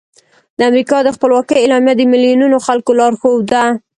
د امریکا د خپلواکۍ اعلامیه د میلیونونو خلکو لارښود ده.